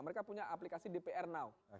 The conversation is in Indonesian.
mereka punya aplikasi dpr no